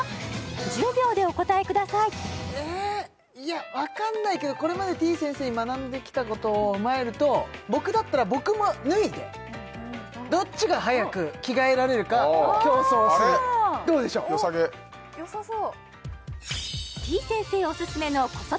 １０秒でお答えくださいえいや分かんないけどこれまでてぃ先生に学んできたことを踏まえると僕だったら僕も脱いでどっちが早く着替えられるか競争するどうでしょう？